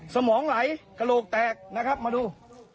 สมองไหลกระโหลกแตกนะครับมาดู